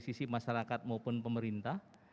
sisi masyarakat maupun pemerintah